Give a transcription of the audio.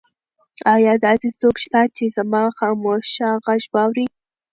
ایا داسې څوک شته چې زما خاموشه غږ واوري؟